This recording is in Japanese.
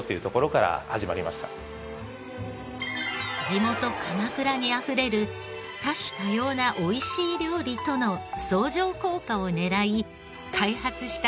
地元鎌倉にあふれる多種多様な美味しい料理との相乗効果を狙い開発したこの地